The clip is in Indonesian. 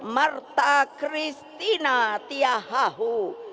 marta kristina tiahahu